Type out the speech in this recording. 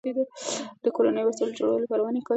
د کورنیو وسایلو جوړولو لپاره ونې کارېږي.